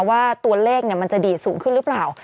ว่าตัวเลขมันจะดีดสูงขึ้นหรือเปล่า